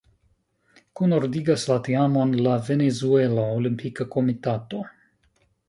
Kunordigas la teamon la Venezuela Olimpika Komitato.